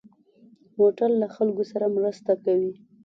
موټر له خلکو سره مرسته کوي.